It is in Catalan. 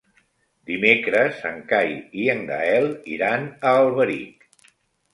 Dimecres en Cai i en Gaël iran a Alberic.